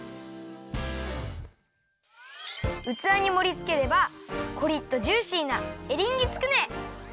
うつわにもりつければコリッとジューシーなエリンギつくね！